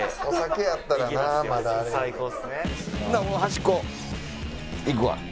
お酒やったらな。